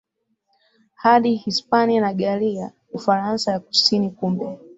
hadi Hispania na Gallia Ufaransa ya Kusini Kumbe